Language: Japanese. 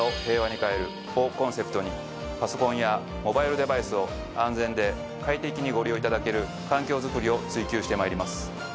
をコンセプトにパソコンやモバイルデバイスを安全で快適にご利用いただける環境づくりを追求してまいります。